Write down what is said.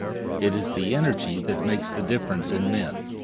It is energy that makes the difference in men.